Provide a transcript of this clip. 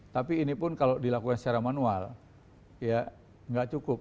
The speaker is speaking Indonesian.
tapi ini pun kalau dilakukan secara manual ya nggak cukup